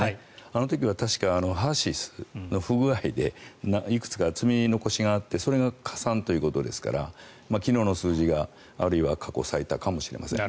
あの時は確かＨＥＲ−ＳＹＳの不具合でいくつか積み残しがあってそれが加算ということですから昨日の数字があるいは過去最多かもしれません。